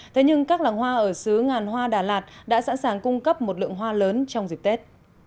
thế nhưng các làng hoa ở xứ ngàn hoa đà lạt đã sẵn sàng cung cấp một lượng hoa lớn trong dịp tết